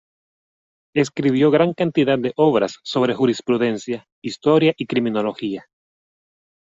Escribió gran cantidad de obras sobre jurisprudencia, historia y criminología.